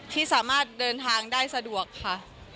ที่สามารถเดินทางได้สะดวกค่ะ